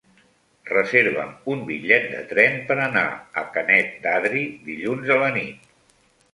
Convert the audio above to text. Reserva'm un bitllet de tren per anar a Canet d'Adri dilluns a la nit.